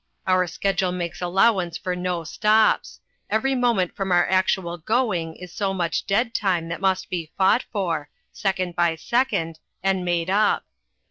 Our schedule makes allowance for no stops; every moment from our actual going is so much "dead time" that must be fought for, second by second, and made up.